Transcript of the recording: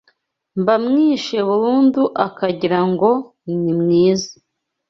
Mba mwishe burundu Akagira ngo ni mwiza